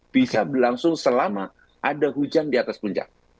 bisa berlangsung selama ada hujan di atas puncak